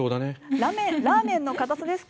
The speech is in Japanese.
ラーメンの硬さですか？